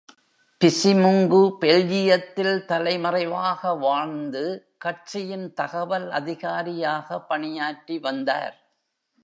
பிசிமுங்கு பெல்ஜியத்தில் தலைமறைவாக வாழ்ந்து, கட்சியின் தகவல் அதிகாரியாக பணியாற்றி வந்தார்.